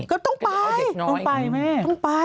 ก็ต้องไปต้องไปแม่ต้องไป